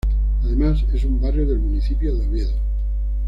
Además es un barrio del municipio de Oviedo.